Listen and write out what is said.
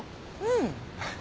うん。